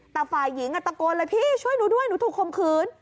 แต่ฝ่ายหญิงตะโกนเลยพี่ช่วยหนูด้วยหนูถูกคมขืน